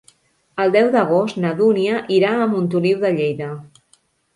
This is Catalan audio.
El deu d'agost na Dúnia irà a Montoliu de Lleida.